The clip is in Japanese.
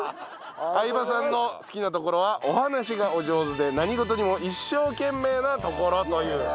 相葉さんの好きなところはお話しがお上手で何事にも一生懸命なところという。